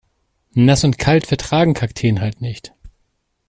Nass und kalt vertragen Kakteen halt nicht.